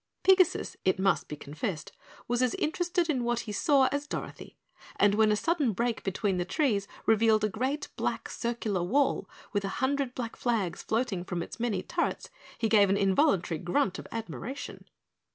Pigasus, it must be confessed, was as interested in what he saw as Dorothy, and when a sudden break between the trees revealed a great black circular wall with a hundred black flags floating from its many turrets, he gave an involuntary grunt of admiration.